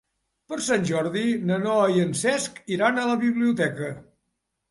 Per Sant Jordi na Noa i en Cesc iran a la biblioteca.